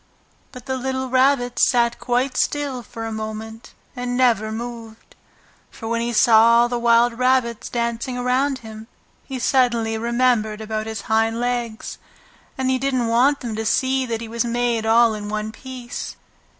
But the little Rabbit sat quite still for a moment and never moved. For when he saw all the wild rabbits dancing around him he suddenly remembered about his hind legs, and he didn't want them to see that he was made all in one piece.